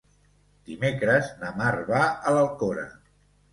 Dimecres na Mar va a l'Alcora.